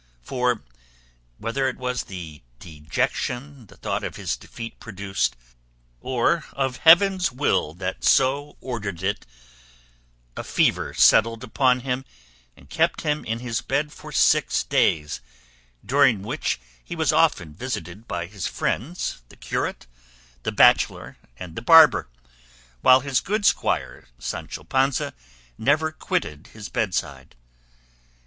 For whether it was of the dejection the thought of his defeat produced, or of heaven's will that so ordered it a fever settled upon him and kept him in his bed for six days, during which he was often visited by his friends the curate, the bachelor, and the barber, while his good squire Sancho Panza never quitted his bedside.